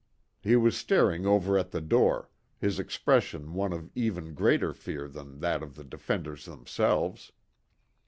He was staring over at the door, his expression one of even greater fear than that of the defenders themselves.